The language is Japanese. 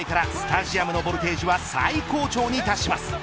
初回からスタジアムのボルテージは最高潮に達します。